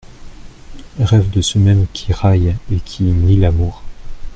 Rêve de ceux mêmes qui raillent et qui nient l’amour.